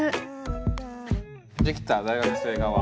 出来た大学生側。